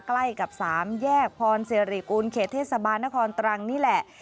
ใกล้กับสามแยกพรสิริกุลเขตเทศบาลนครตรังนี่แหละ